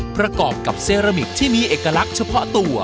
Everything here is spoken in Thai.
ประกอบกับเซรามิกที่มีเอกลักษณ์เฉพาะตัว